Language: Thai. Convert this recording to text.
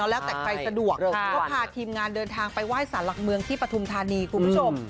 แล้วแต่ใครสะดวกก็พาทีมงานเดินทางไปไหว้สารหลักเมืองที่ปฐุมธานีคุณผู้ชม